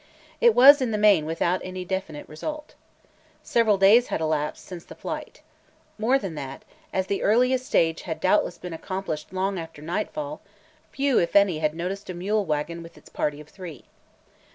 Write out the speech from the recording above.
It was, in the main, without any definite result. Several days had elapsed since the flight. More than that, as the earliest stage had doubtless been accomplished long after nightfall, few, if any, had noticed a mule wagon with its party of three.